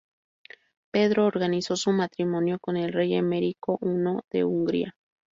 Pedro organizó su matrimonio con el rey Emerico I de Hungría.